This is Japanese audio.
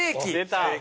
出た！